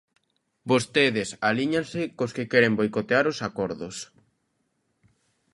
Vostedes alíñanse cos que queren boicotear os acordos.